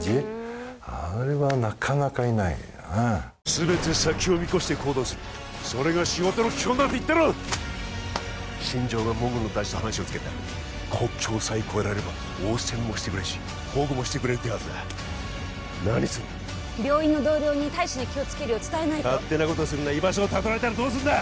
全て先を見越して行動するそれが仕事の基本だと言ったろ新庄がモンゴルの大使と話をつけてある国境さえ越えられれば応戦もしてくれるし保護もしてくれる手はずだ何すんだ病院の同僚に大使に気をつけるよう伝えないと勝手なことするな居場所をたどられたらどうすんだ